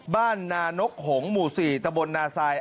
บ้านนานกหงหมู่๔ตะบลนาซาย